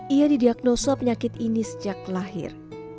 ia didiagnosa penyakit ini sejak lahir